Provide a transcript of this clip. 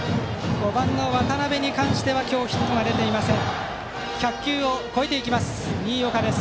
５番の渡邉に関しては今日、ヒットが出ていません。